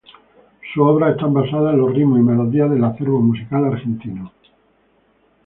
Sus obras están basadas en los ritmos y melodías del acervo musical argentino.